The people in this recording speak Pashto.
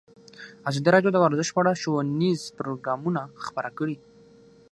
ازادي راډیو د ورزش په اړه ښوونیز پروګرامونه خپاره کړي.